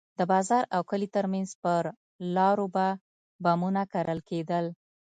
د بازار او کلي ترمنځ پر لارو به بمونه کرل کېدل.